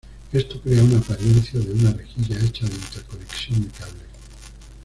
Esto crea una apariencia de una rejilla hecha de interconexión de cables.